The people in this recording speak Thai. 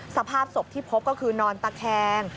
สภาพศพที่พบก็คือนอนตะแคง